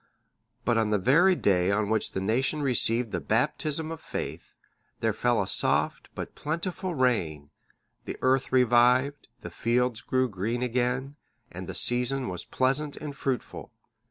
But on the very day on which the nation received the Baptism of the faith, there fell a soft but plentiful rain; the earth revived, the fields grew green again, and the season was pleasant and fruitful.